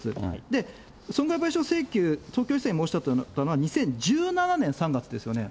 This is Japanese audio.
で、損害賠償請求、東京地裁に申し立てたのは２０１７年３月ですよね。